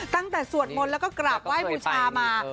ตั้งแต่สวดมนตร์แล้วก็กราบไหว้บุชามา